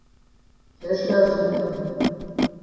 هێشتا زیندووم.